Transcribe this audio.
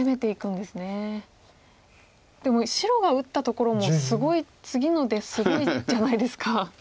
でも白が打ったところもすごい次の出すごいじゃないですか。